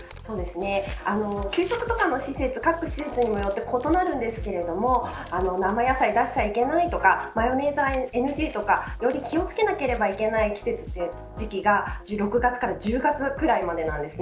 給食とかの各施設によっても異なるんですが生野菜を出していけないとかマヨネーズはＮＧとかより気を付けなければいけない時期が６月から１０月ぐらいまでなんです。